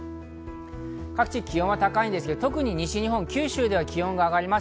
各地の気温は高いですが、特に西日本、九州では気温が上がります。